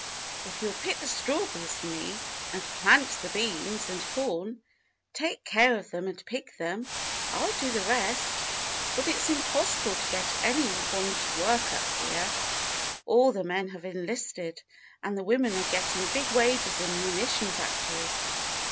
^ If you'll pick the strawberries for me and plant the beans and corn, take care of them and pick them, I '11 do the rest; but it's impossible to get any one to work up here. All the men have enlisted, and the women are getting big wages in munition factories.